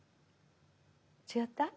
違った？